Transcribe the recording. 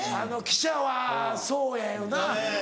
記者はそうやよな。